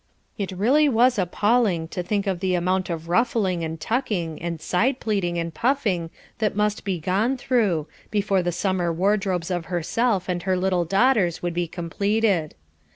It really was appalling to think of the amount of ruffling and tucking and side pleating and puffing that must be gone through, before the summer wardrobes of herself and her little daughters would be completed.